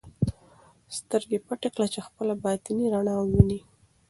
سترګې پټې کړه چې خپله باطني رڼا ووینې.